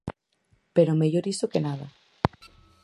Pero mellor iso que nada.